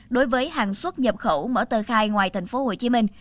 đối với hàng xuất nhập khẩu mở tờ khai ngoài thành phố hồ chí minh